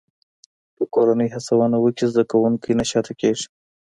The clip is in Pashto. که کورنۍ هڅونه وکړي، زده کوونکی نه شاته کېږي.